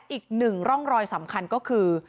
อีกหนึ่งร่องรอยสำคัญก็คือ